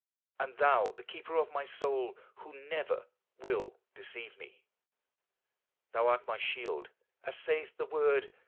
And thou the keeper of my soul, Who never will deceive me? Thou art my shield, as saith the Word.